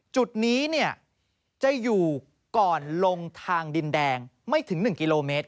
จุดนี้จะอยู่ก่อนลงทางดินแดงไม่ถึง๑กิโลเมตร